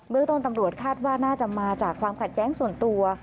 เมืองต้นตำรวจคาดว่าน่าจะมาจากความขัดแย้งส่วนตัว